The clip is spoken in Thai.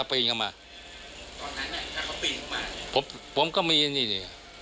ผมก็มีนี่เลย